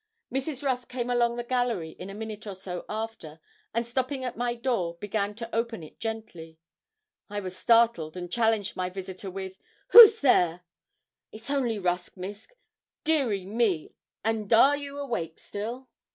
Mrs. Rusk came along the gallery in a minute or so after, and stopping at my door, began to open it gently. I was startled, and challenged my visitor with 'Who's there?' 'It's only Rusk, Miss. Dearie me! and are you awake still?'